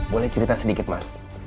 boleh cerita sedikit mas